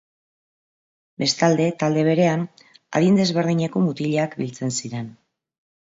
Bestalde, talde berean adin desberdineko mutilak biltzen ziren.